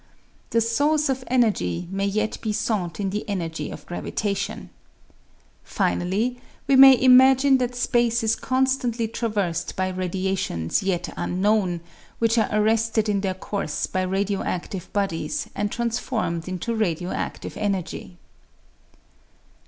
The source of energy may yet be sought in the energy of gravitation. Finally, we may imagine that space is constantly traversed by radiations yet unknown, which are arrested in their course by radio active bodies and transformed into radio active energy.